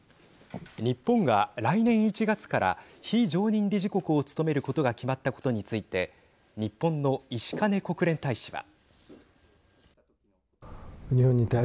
日本が来年１月から非常任理事国を務めることが決まったことについて日本の石兼国連大使は。